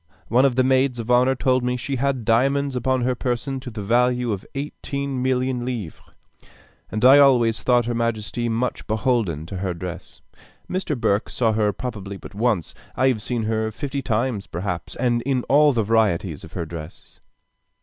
One of the maids of honor told me she had diamonds upon her person to the value of eighteen millions of livres; and I always thought her majesty much beholden to her dress. Mr. Burke saw her probably but once. I have seen her fifty times perhaps, and in all the varieties of her dresses.